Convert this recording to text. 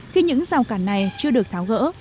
khi những rào cản này chưa được tháo gỡ